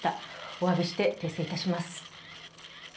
お詫びして訂正いたします。